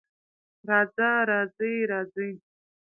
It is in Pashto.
راځه، راځې، راځئ